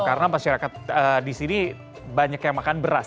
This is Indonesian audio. karena masyarakat di sini banyak yang makan beras